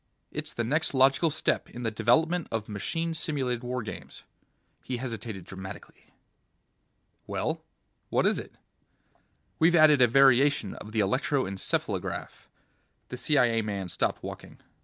It's the next logical step in the development of machine simulated war games." He hesitated dramatically. "Well, what is it?" "We've added a variation of the electro encephalograph ..." The CIA man stopped walking.